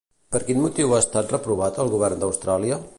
Per quin motiu ha estat reprovat el Govern d'Austràlia?